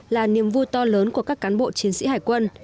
là niềm vui to lớn của các cán bộ chiến sĩ hải quân